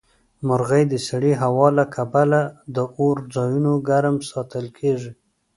مرغومی د سړې هوا له کبله د اور ځایونه ګرم ساتل کیږي.